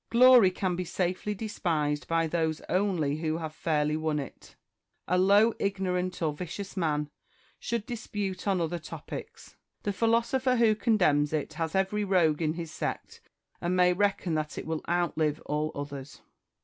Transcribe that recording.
Glory can be safely despised by those only who have fairly won it : a low, ignorant, or vicious man should dispute on other topics. The philosopher who contemns it has every rogue in his sect, and may reckon that it will outlive all others.